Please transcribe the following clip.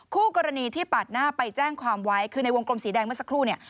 คู่กรณีที่ปาดหน้าไปแจ้งความไว้คือในวงกลมสีแดงเมื่อสักครู่เนี่ย